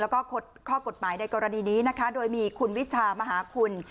แล้วก็ข้อกฎหมายในกรณีนี้นะคะโดยมีคุณวิชามหาคุณ